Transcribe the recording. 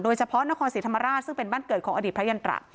เฉพาะนครศรีธรรมราชซึ่งเป็นบ้านเกิดของอดีตพระยันตระ